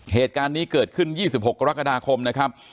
เหตุการณ์นี้เกิดขึ้น๒๖กรกฎาคมนะครับ